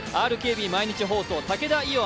ＲＫＢ毎日放送武田伊央